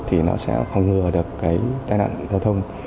thì nó sẽ phòng ngừa được cái tai nạn giao thông